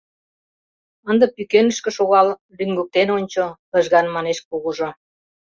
— Ынде пӱкенышке шогал, лӱҥгыктен ончо, — лыжган манеш кугыжо.